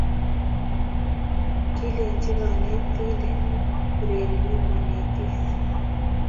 Kilechi kanetindet urerenik konetis